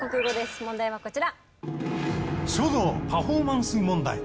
問題はこちら。